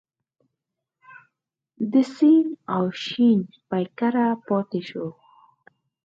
د سین او شین پیکړه پاتې شوه.